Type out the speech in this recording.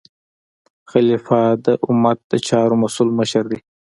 خلیفه د امت د چارو مسؤل مشر دی.